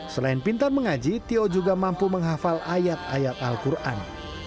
selain pintar mengaji tio juga mampu menghafal ayat ayat al quran